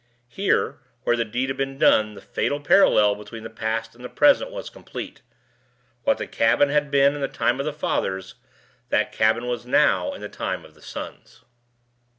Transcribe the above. Here, where the deed had been done, the fatal parallel between past and present was complete. What the cabin had been in the time of the fathers, that the cabin was now in the time of the sons.